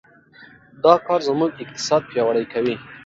دا کار زموږ اقتصاد پیاوړی کوي.